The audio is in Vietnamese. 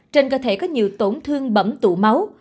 trên cơ thể có nhiều tổn thương bẩm tụ máu